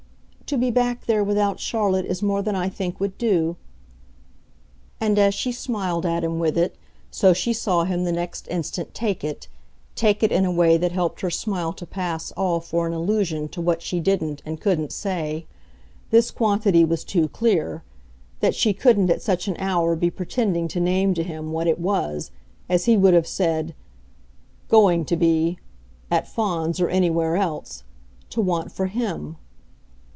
"To be back there without Charlotte is more than I think would do." And as she smiled at him with it, so she saw him the next instant take it take it in a way that helped her smile to pass all for an allusion to what she didn't and couldn't say. This quantity was too clear that she couldn't at such an hour be pretending to name to him what it was, as he would have said, "going to be," at Fawns or anywhere else, to want for HIM.